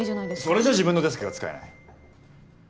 それじゃあ自分のデスクが使えない。